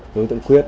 đối tượng quyết